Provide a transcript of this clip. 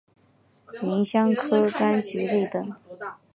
芸香科柑橘类等。